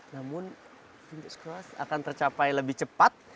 namun fingers crossed akan tercapai lebih cepat